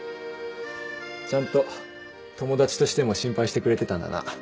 ちゃんと友達としても心配してくれてたんだな。